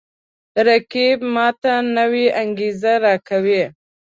رقیب ما ته نوی انگیزه راکوي